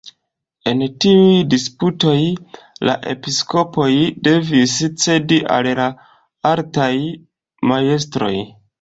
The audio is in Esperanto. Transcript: En tiuj disputoj la episkopoj devis cedi al la altaj majstroj.